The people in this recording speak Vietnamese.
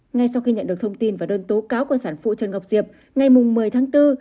ngay sau khi nhận được thông tin và đơn tố cáo của sản phụ trần ngọc diệp ngày một mươi tháng bốn